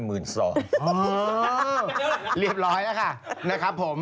เหรียบร้อยล่ะคะนะครับผม